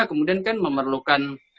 kemudian kan memerlukan